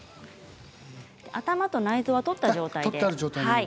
頭と内臓は取った状態です。